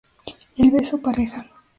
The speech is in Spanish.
El beso pareja.